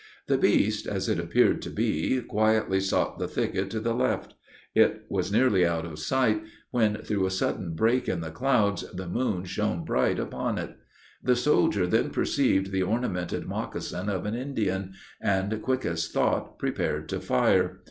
The beast, as it appeared to be, quietly sought the thicket to the left; it was nearly out of sight, when, through a sudden break in the clouds, the moon shone bright upon it. The soldier then perceived the ornamented moccasin of an Indian, and, quick as thought, prepared to fire.